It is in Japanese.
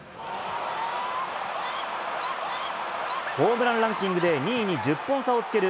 ホームランランキングで２位に１０本差をつける